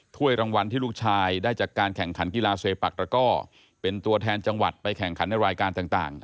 ถ้วยรางวัลที่ลูกชายได้จากการแข่งขันกีฬาเซปักตระก้อเป็นตัวแทนจังหวัดไปแข่งขันในรายการต่าง